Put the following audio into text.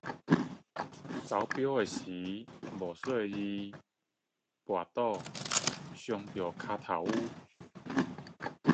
跑步時不小心跌傷了膝蓋